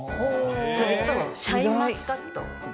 それとシャインマスカット。